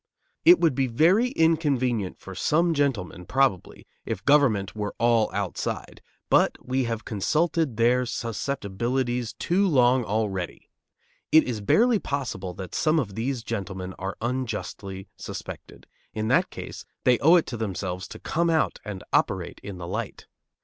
It would be very inconvenient for some gentlemen, probably, if government were all outside, but we have consulted their susceptibilities too long already. It is barely possible that some of these gentlemen are unjustly suspected; in that case they owe it to themselves to come out and operate in the light.